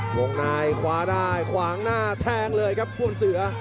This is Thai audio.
กรงนายคว้าได้ขวางหน้าแทงเลยครับควบรรษเสือ